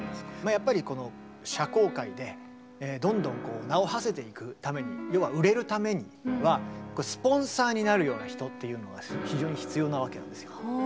やっぱりこの社交界でどんどん名をはせていくために要は売れるためにはスポンサーになるような人っていうのが非常に必要なわけなんですよ。